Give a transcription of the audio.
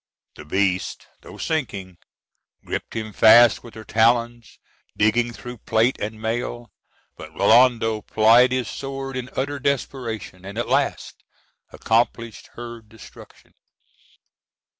The beast, though sinking, griped him fast with her talons, digging through plate and mail; but Rinaldo plied his sword in utter desperation, and at last accomplished her destruction.